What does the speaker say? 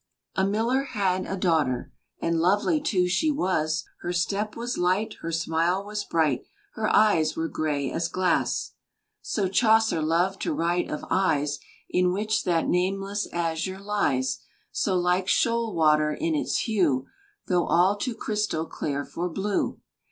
A miller had a daughter, And lovely, too, she was; Her step was light, her smile was bright, Her eyes were gray as glass. (So Chaucer loved to write of eyes In which that nameless azure lies So like shoal water in its hue, Though all too crystal clear for blue.)